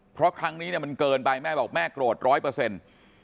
เพราะครั้งนี้เนี่ยมันเกินไปแม่บอกแม่โกรธร้อยเปอร์เซ็นต์